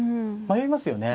迷いますね。